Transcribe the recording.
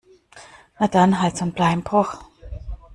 Na dann, Hals- und Beinbruch!